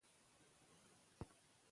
که خلک درناوی وکړي خبرې به دوام وکړي.